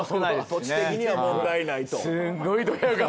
土地的には問題ないと。